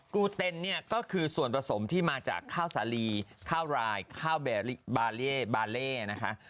รูเต็นเนี่ยก็คือส่วนผสมที่มาจากข้าวสาลีข้าวรายข้าวบาเล่บาเล่นะคะ